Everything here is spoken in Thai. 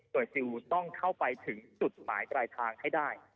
โดยซิลต้องเข้าไปถึงจุดหมายปลายทางให้ได้